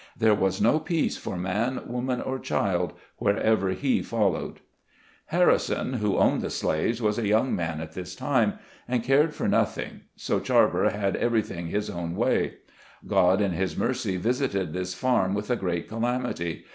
There was no peace for man, woman or child, wherever he followed. 170 SKETCHES OF SLAVE LIFE. Harrison, who owned the slaves, was a young man at this time, and cared for nothing, so Charbour had everything his own way. God in his mercy visited this farm with a great calamity.